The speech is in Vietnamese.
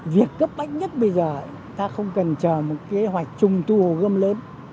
việc cấp bách nhất bây giờ ta không cần chờ một kế hoạch trùng thu hồ gâm lớn